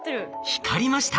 光りました。